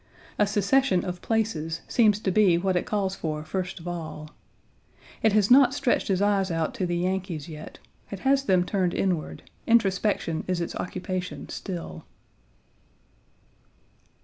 A secession of places seems to be what it calls for first of all. It has not stretched its eyes out to the Yankees yet; it has them turned inward; introspection is its occupation still.